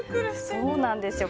そうなんですよ。